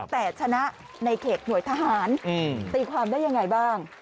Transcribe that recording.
แต่ชนะในเขตหน่วยทหารตีความได้ยังไงบ้าง